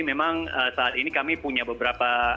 memang saat ini kami punya beberapa